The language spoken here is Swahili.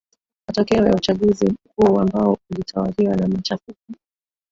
matokeo ya uchaguzi mkuu ambao ulitawaliwa na machafuko